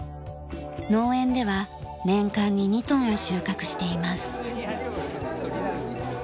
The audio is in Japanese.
農園では年間に２トンを収穫しています。